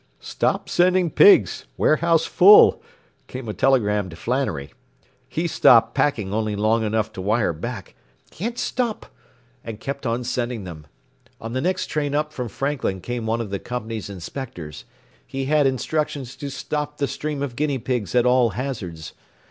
“Stop sending pigs. Warehouse full,” came a telegram to Flannery. He stopped packing only long enough to wire back, “Can't stop,” and kept on sending them. On the next train up from Franklin came one of the company's inspectors. He had instructions to stop the stream of guinea pigs at all hazards.